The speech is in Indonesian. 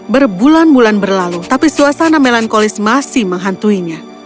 berbulan bulan berlalu tapi suasana melankolis masih menghantuinya